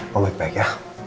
kamu baik baik ya